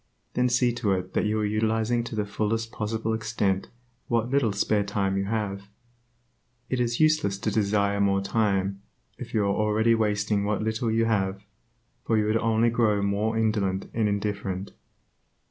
Then see to it that you are utilizing to the fullest possible extent what little spare time you have. It is useless to desire more time, if you are already wasting what little you have; for you would only grow more indolent and indifferent.